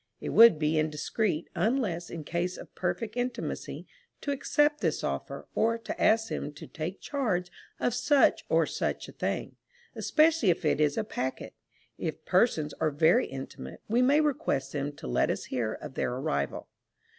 It would be indiscreet, unless in case of perfect intimacy, to accept this offer, or to ask them to take charge of such or such a thing, especially if it is a packet; if persons are very intimate, we may request them to let us hear of their arrival.